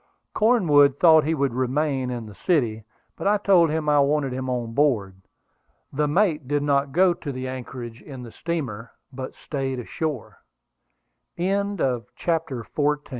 Cornwood thought he would remain in the city, but I told him I wanted him on board. The mate did not go to the anchorage in the steamer, but stayed ashore. CHAPTER XV. A WAR OF WORDS.